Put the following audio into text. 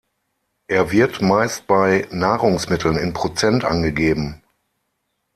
Er wird meist bei Nahrungsmitteln in Prozent angegeben.